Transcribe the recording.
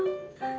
ibu suka sekali